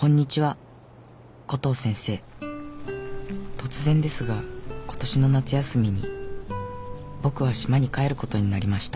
突然ですが今年の夏休みに僕は島に帰ることになりました」